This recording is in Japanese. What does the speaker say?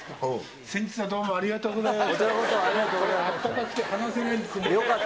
先日はどうもありがとうございました。